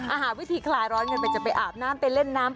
หาวิธีคลายร้อนกันไปจะไปอาบน้ำไปเล่นน้ำ